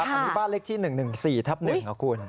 อันนี้บ้านเลขที่๑๑๔ทับ๑ครับคุณ